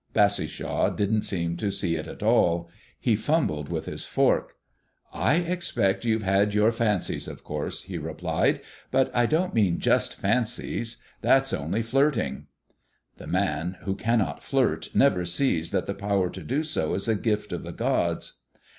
Bassishaw didn't seem to see it at all. He fumbled with his fork. "I expect you've had your fancies, of course," he replied. "But I don't mean just fancies that's only flirting." The man who cannot flirt never sees that the power to do so is a gift of the gods.